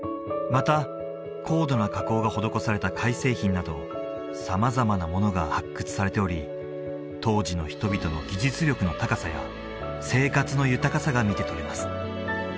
また高度な加工が施された貝製品など様々なものが発掘されており当時の人々の技術力の高さや生活の豊かさが見て取れます